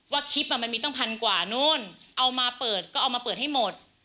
คลิปมันมีตั้งพันกว่านู้นเอามาเปิดก็เอามาเปิดให้หมด